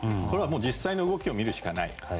これは実際の動きを見るしかない。